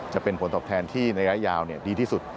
จะเป็นผลตอบแทนที่ในระยะยาวดีที่สุด